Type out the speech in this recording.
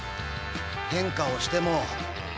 変化をしても。